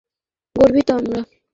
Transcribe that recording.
খুব গর্বিত আমরা।